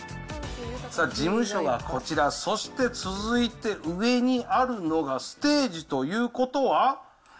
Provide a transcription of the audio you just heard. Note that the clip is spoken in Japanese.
事務所がこちら、そして続いて上にあるのがステージということは？